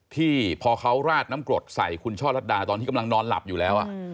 ที่พอเขาราดน้ำกรดใส่คุณช่อลัดดาตอนที่กำลังนอนหลับอยู่แล้ว